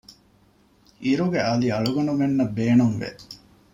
އިރުގެ އަލި އަޅުގަނޑުމެންނަށް ބޭނުން ވެ